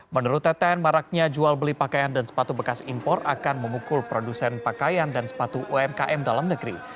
menurut teten maraknya jual beli pakaian dan sepatu bekas impor akan memukul produsen pakaian dan sepatu umkm dalam negeri